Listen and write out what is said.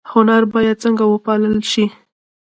هنر باید څنګه وپال ل شي؟